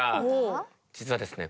実はですね